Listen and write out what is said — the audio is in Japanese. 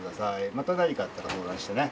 また何かあったら相談してね。